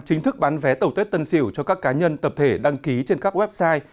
chính thức bán vé tẩu tuyết tân siểu cho các cá nhân tập thể đăng ký trên các website